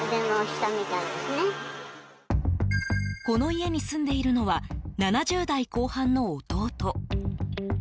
この家に住んでいるのは７０代後半の弟。